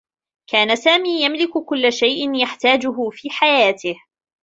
كان سامي يملك كلّ شيء يحتاجه في حياته.